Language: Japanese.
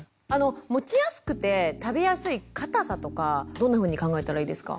持ちやすくて食べやすい硬さとかどんなふうに考えたらいいですか？